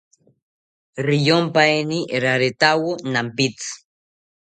Riyompaeni raretawo nampitzi